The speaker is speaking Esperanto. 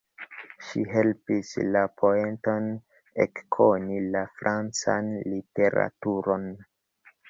Ŝi helpis la poeton ekkoni la francan literaturon.